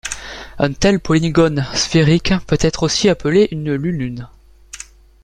Un tel polygone sphérique peut aussi être appelé une lunule.